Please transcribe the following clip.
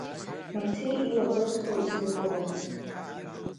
Маҭеи илаӷырӡқәа изынкыломызт.